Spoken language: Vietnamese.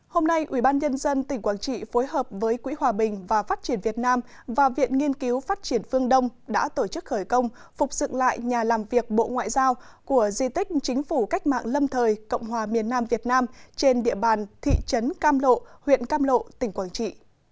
hôm nay ubnd tỉnh quảng trị phối hợp với quỹ hòa bình và phát triển việt nam và viện nghiên cứu phát triển phương đông đã tổ chức khởi công phục dựng lại nhà làm việc bộ ngoại giao của di tích chính phủ cách mạng lâm thời cộng hòa miền nam việt nam trên địa bàn thị trấn cam lộ huyện cam lộ tỉnh quảng trị